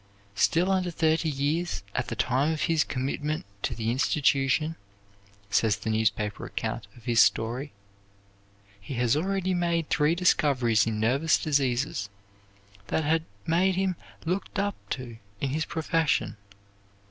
"Still under thirty years at the time of his commitment to the institution," says the newspaper account of his story, "he had already made three discoveries in nervous diseases that had made him looked up to in his profession.